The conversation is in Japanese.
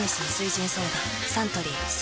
サントリー「翠」